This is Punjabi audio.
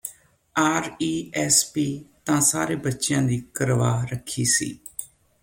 ਆਰਈਐਸਪੀ ਤਾਂ ਸਾਰੇ ਬੱਚਿਆਂ ਦੀ ਕਰਵਾ ਰੱਖੀ ਸੀ